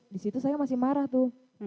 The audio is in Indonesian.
di situ saya masih marah tuh